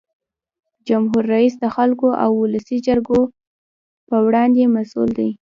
جمهور رئیس د خلکو او ولسي جرګې په وړاندې مسؤل دی.